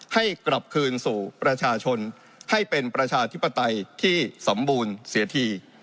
ให้กลับคืนสู่ประชาชนให้เป็นประชาธิปไตยที่สมบูรณ์เสียที